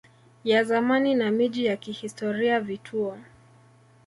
ya zamani na miji ya kihistoria vituo